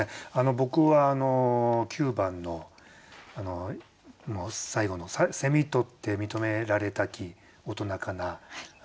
僕は９番の最後の「捕つて認められたき大人かな」。